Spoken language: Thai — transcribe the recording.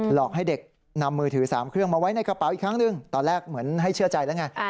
หลอกให้เด็กนำมือถือ๓เครื่องมาไว้ในกระเป๋าอีกครั้งหนึ่งตอนแรกเหมือนให้เชื่อใจแล้วไง